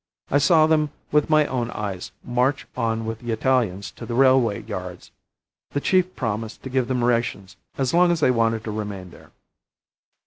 I saw them with my own eyes march on with the Italians to the railway yards. The chief promised to give them rations as long as they wanted to remain there."